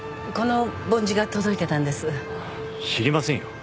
知りませんよ。